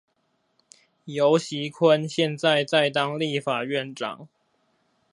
游錫堃現在在當立法院長